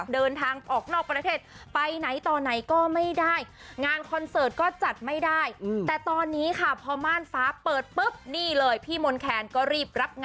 เดินทางออกนอกประเทศไปไหนต่อไหนก็ไม่ได้